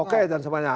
oke dan semuanya